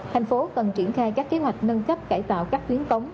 thành phố cần triển khai các kế hoạch nâng cấp cải tạo các tuyến cống